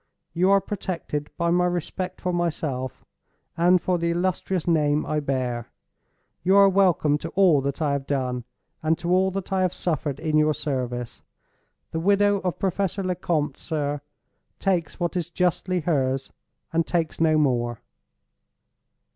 You are protected by my respect for myself, and for the Illustrious Name I bear. You are welcome to all that I have done, and to all that I have suffered in your service. The widow of Professor Lecompte, sir, takes what is justly hers—and takes no more!"